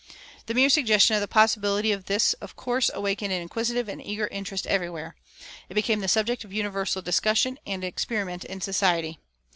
The mere suggestion of the possibility of this of course awakened an inquisitive and eager interest everywhere. It became the subject of universal discussion and experiment in society.